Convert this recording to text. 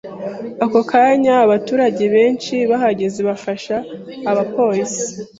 Ako kanya abaturage bahise bahagera bafasha abapolisi